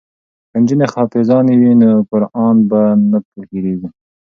که نجونې حافظانې وي نو قران به نه هیریږي.